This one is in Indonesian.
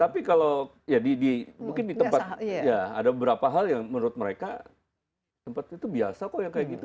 tapi kalau di tempat ada beberapa hal yang menurut mereka tempat itu biasa kok